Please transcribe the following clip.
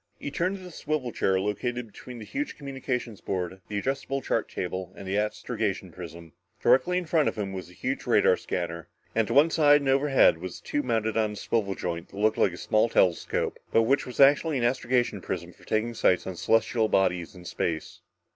He turned to the swivel chair located between the huge communications board, the adjustable chart table and the astrogation prism. Directly in front of him was the huge radar scanner, and to one side and overhead was a tube mounted on a swivel joint that looked like a small telescope, but which was actually an astrogation prism for taking sights on the celestial bodies in space.